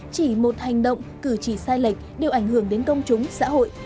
chỉ một hành động cử chỉ sai lệch đều ảnh hưởng đến công chúng xã hội